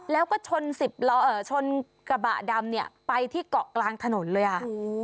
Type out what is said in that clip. แล้วก็ชนกระบะดำเนี่ยไปที่เกาะกลางถนนเลยอ่ะ